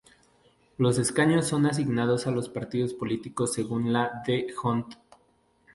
Los escaños son asignados a los partidos políticos según la ley D'Hondt.